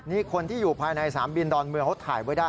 นี่คนที่อยู่ภายในสนามบินดอนเมืองเขาถ่ายไว้ได้